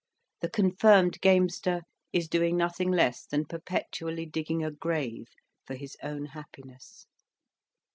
The confirmed gamester is doing nothing less than perpetually digging a grave for his own happiness.